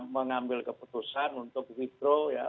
mengambil keputusan untuk withdraw